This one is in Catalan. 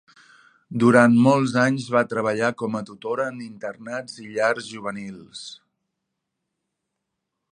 Durant molts anys va treballar com a tutora en internats i llars juvenils.